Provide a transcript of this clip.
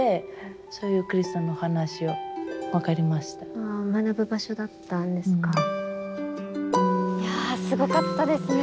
だからあ学ぶ場所だったんですか。やすごかったですね。